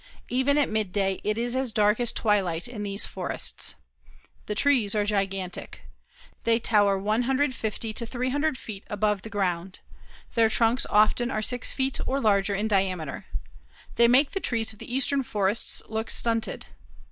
Even at midday it is as dark as twilight in these forests. The trees are gigantic. They tower 150 to 300 feet above the ground. Their trunks often are 6 feet or larger in diameter. They make the trees of the eastern forests look stunted.